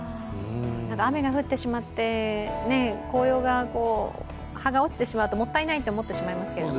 雨が降ってしまって紅葉が葉が落ちてしまうともったいないと思ってしまいますけど、